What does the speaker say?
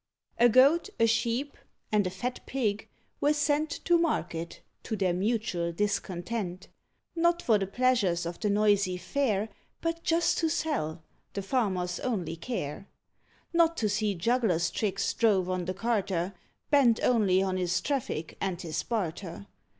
A Goat, a Sheep, and a fat Pig were sent To market, to their mutual discontent; Not for the pleasures of the noisy fair, But just to sell the farmer's only care. Not to see jugglers' tricks drove on the carter, Bent only on his traffic and his barter.